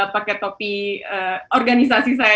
pakai topi organisasi saya